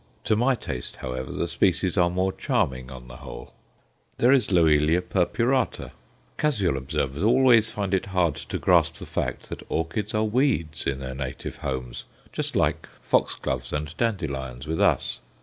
To my taste, however, the species are more charming on the whole. There is L. purpurata. Casual observers always find it hard to grasp the fact that orchids are weeds in their native homes, just like foxgloves and dandelions with us.